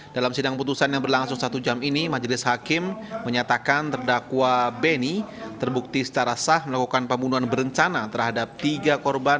dalam sidang putusan yang berlangsung satu jam ini majelis hakim menyatakan terdakwa beni terbukti secara sah melakukan pembunuhan berencana terhadap tiga korban